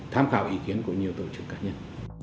tham khảo ý kiến của nhiều tổ chức cá nhân